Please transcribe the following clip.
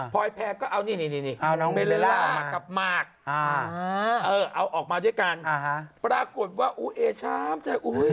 เปลี่ยนถึงผัยนี่